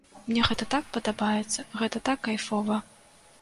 Мне гэта так падабаецца, гэта так кайфова.